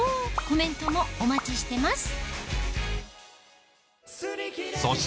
コメントもお待ちしてます